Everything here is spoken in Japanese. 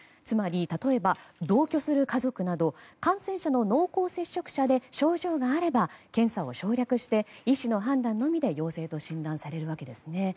つまり、例えば同居する家族など感染者の濃厚接触者で症状があれば、検査を省略して医師の判断のみで陽性と診断されるわけですね。